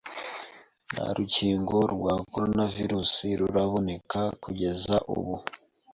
Nta rukingo rwa Coronavirus ruraboneka kugeza ubu,